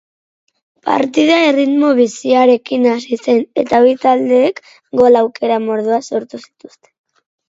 Partida erritmo biziarekin hasi zen eta bi taldeek gol aukera mordoa sortu zituzten.